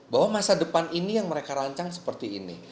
bahwa masa depan ini yang mereka rancang seperti ini